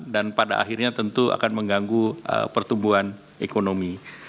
dan pada akhirnya tentu akan mengganggu pertumbuhan ekonomi